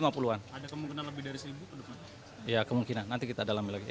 ada kemungkinan lebih dari seribu ke depan ya kemungkinan nanti kita dalam lagi ya